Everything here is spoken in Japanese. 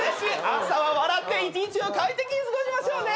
朝は笑って１日を快適に過ごしましょうね！